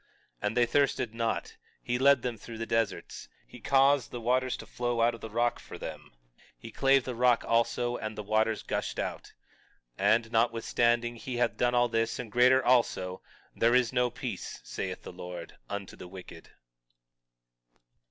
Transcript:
20:21 And they thirsted not; he led them through the deserts; he caused the waters to flow out of the rock for them; he clave the rock also and the waters gushed out. 20:22 And notwithstanding he hath done all this, and greater also, there is no peace, saith the Lord, unto the wicked.